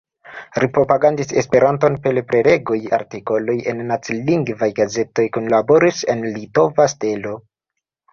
Li propagandis Esperanton per prelegoj, artikoloj en nacilingvaj gazetoj, kunlaboris en "Litova Stelo".